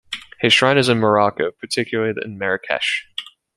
His shrine is in Morocco, particularly in Marrakesh.